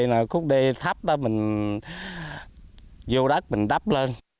nếu mà khúc đê thấp đó mình vô đất mình đắp lên